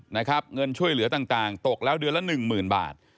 เงินช่วยเหลือต่างตกแล้วเดือนละ๑๐๐๐๐บาท